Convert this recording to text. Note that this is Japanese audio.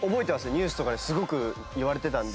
ニュースとかですごく言われてたので。